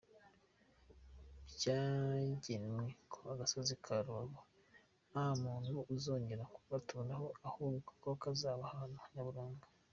Byagenwe ko agasozi ka Rubavu nta muntu uzongera kugaturaho ahubwo ko kazaba ahantu nyaburanga.